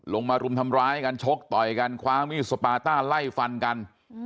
รุมทำร้ายกันชกต่อยกันคว้ามีดสปาต้าไล่ฟันกัน